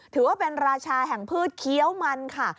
ถือว่าเป็นราชาแห่งพืชเคี้ยวมันค่ะ